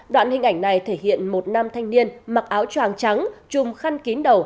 đoạn hình ảnh này thể hiện một nam thanh niên mặc áo tràng trắng chùm khăn kín đầu